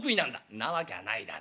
「んなわきゃないだろ。